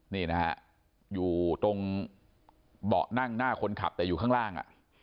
นี่นะฮะอยู่ตรงเบาะนั่งหน้าคนขับแต่อยู่ข้างล่าง